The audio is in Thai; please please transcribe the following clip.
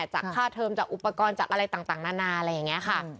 จากค่าเทิมจากอุปกรณ์จากอะไรต่างนานาอะไรอย่างนี้ค่ะ